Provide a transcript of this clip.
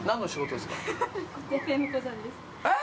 えっ？